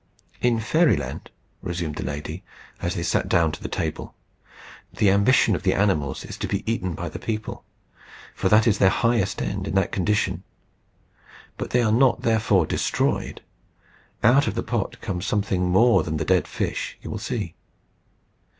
"In Fairyland," resumed the lady, as they sat down to the table, "the ambition of the animals is to be eaten by the people; for that is their highest end in that condition. But they are not therefore destroyed. Out of that pot comes something more than the dead fish, you will see."